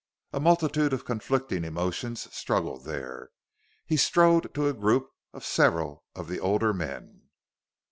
A multitude of conflicting emotions struggled there. He strode to a group of several of the older men.